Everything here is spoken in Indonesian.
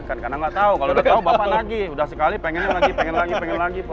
karena nggak tahu kalau udah tahu bapak lagi udah sekali pengen lagi pengen lagi pengen lagi pak